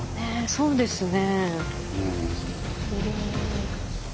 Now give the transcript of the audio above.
そうですね。